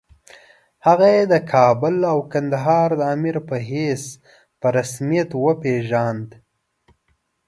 هغه یې د کابل او کندهار د امیر په حیث په رسمیت وپېژاند.